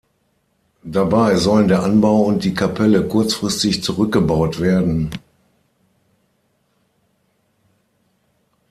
Dabei sollen der Anbau und die Kapelle kurzfristig zurückgebaut werden.